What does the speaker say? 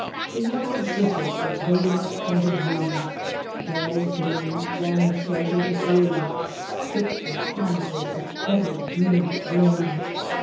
Xhe yuaca bristles with bayonet pointed leaves, dull green, growing shaggy with age, tipped with panicles of fetid, greenish bloom.